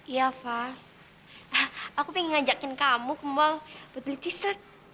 iya fa aku pengen ngajakin kamu kembang buat beli t shirt